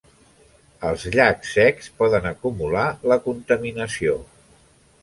Els llacs secs poden acumular la contaminació.